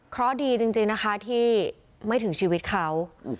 เพราะดีจริงนะคะที่ไม่ถึงชีวิตเขา